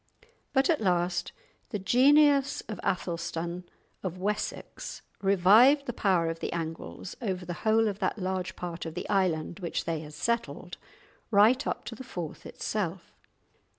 But at last the genius of Athelstan of Wessex revived the power of the Angles over the whole of that large part of the island which they had settled, right up to the Forth itself.